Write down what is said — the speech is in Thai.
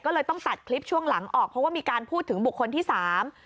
ก็เลยต้องตัดคลิปช่วงหลังออกเพราะว่ามีการพูดถึงบุคคลที่สาม